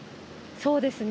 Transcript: そうですね。